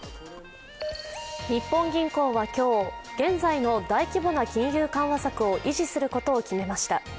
日本銀行は今日、現在の大規模な金融緩和策を維持することを決めました。